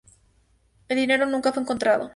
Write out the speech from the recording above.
El dinero nunca fue encontrado.